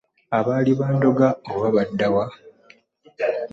Abaali bandoga oba badda wa!